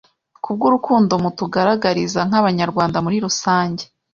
Kubw’urukundo mutugaragariza nka banyarwanda muri rusange,